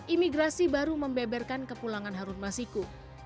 imigrasi baru membeberkan kepulangan harun masiku